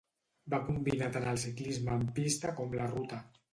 Va combinar tant el ciclisme en pista com la ruta.